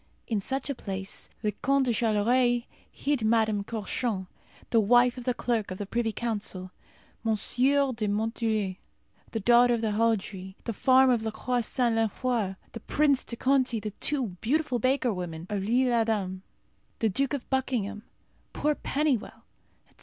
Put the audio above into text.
In such a place the Count de Charolais hid Madame Courchamp, the wife of the Clerk of the Privy Council; Monsieur de Monthulé, the daughter of Haudry, the farmer of La Croix Saint Lenfroy; the Prince de Conti, the two beautiful baker women of L'Ile Adam; the Duke of Buckingham, poor Pennywell, etc.